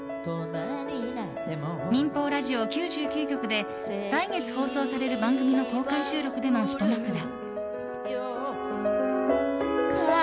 民放ラジオ９９局で来月放送される番組の公開収録でのひと幕だ。